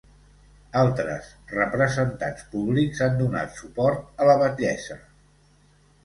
Altres representants públics han donat suport a la batllessa.